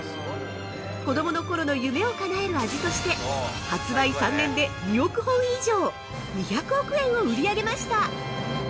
子供のころの夢をかなえる味として、発売３年で２億本以上、２００億円を売り上げました。